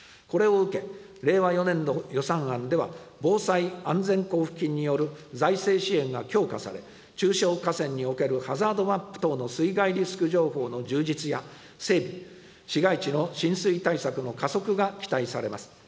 これを受け、令和４年度予算案では、防災・安全交付金による財政支援が強化され、中小河川におけるハザードマップ等の水害リスク情報の充実や整備、市街地の浸水対策の加速が期待されます。